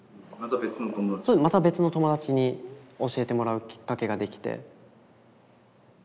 また別の友達に教えてもらうキッカケができて。